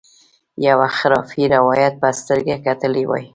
د یوه خرافي روایت په سترګه کتلي وای.